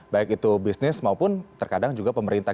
baik itu bisnis maupun terkadang juga pemerintah